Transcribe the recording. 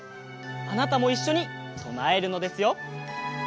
あなたもいっしょにとなえるのですよ。